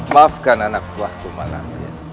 maafkan anak buahku manapian